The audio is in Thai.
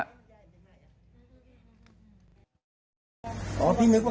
อ๋อพี่นึกว่าขโมยอ๋อหนูก็ขโมย